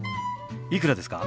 いくらですか？